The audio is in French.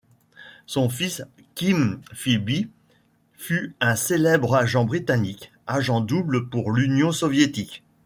Son fils Kim Philby fut un célèbre agent britannique, agent double pour l'Union soviétique.